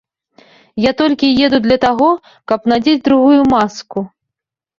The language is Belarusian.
Я толькі еду для таго, каб надзець другую маску.